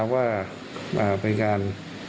ว่าเป็นการ